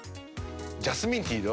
ジャスミンティーよ。